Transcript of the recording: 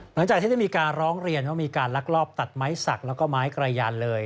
หลังจากที่ได้มีการร้องเรียนว่ามีการลักลอบตัดไม้สักแล้วก็ไม้กระยานเลย